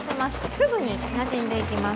すぐになじんでいきます。